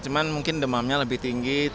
cuman mungkin demamnya lebih tinggi